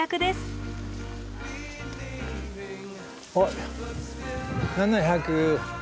あっ７００。